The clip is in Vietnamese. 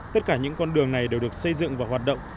tất cả những con đường này đều được xây dựng và hoạt động